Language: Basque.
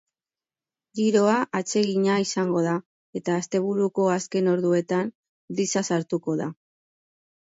Giroa atsegina izango da, eta asteburuko azken orduetan brisa sartuko da.